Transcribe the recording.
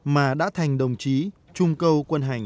mà đã thành đồng chí chung câu quân hành